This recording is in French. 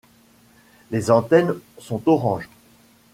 Les antennes sont orange.